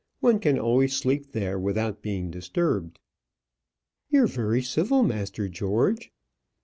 One can always sleep there without being disturbed." "You're very civil, master George."